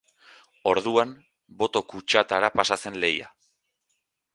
Orduan, boto-kutxatara pasa zen leiha.